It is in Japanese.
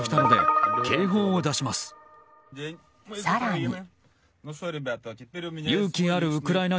更に。